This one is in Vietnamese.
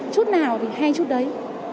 chút nào thì hay chút đấy